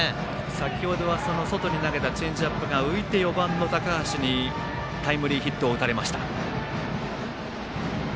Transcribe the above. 先ほどは外に投げたチェンジアップが浮いて４番の高橋にタイムリーヒットを打たれました。